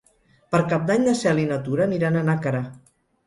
Per Cap d'Any na Cel i na Tura aniran a Nàquera.